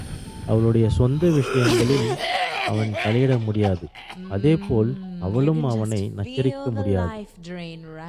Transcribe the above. அவளுடைய சொந்த விஷயங்களில் அவன் தலையிட முடியாது அதேபோல அவளும் அவனை நச்சரிக்க முடியாது.